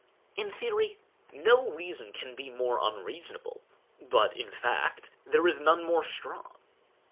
In theory, no reason can be more unreasonable, but, in fact, there is none more strong.